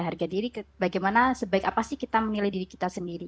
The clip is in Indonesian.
harga diri bagaimana sebaik apa sih kita menilai diri kita sendiri